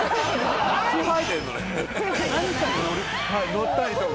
乗ったりとか。